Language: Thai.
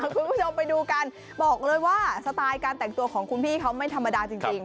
คุณผู้ชมไปดูกันบอกเลยว่าสไตล์การแต่งตัวของคุณพี่เขาไม่ธรรมดาจริง